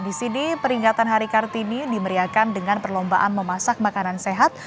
di sini peringatan hari kartini dimeriakan dengan perlombaan memasak makanan sehat